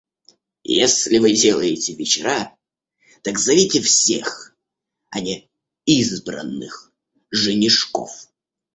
Если вы делаете вечера, так зовите всех, а не избранных женишков.